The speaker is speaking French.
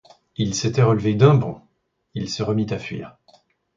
Il s'était relevé d'un bond, il se remit à fuir.